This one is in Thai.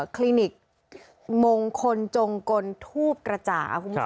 ครีนิกมงคลจงกลทูบกระจ่าง